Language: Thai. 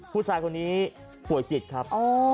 ผู้ชายคนนี้ป่วยจิตครับ